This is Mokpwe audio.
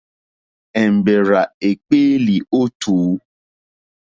Èmbèrzà èkpéélì ó tùú.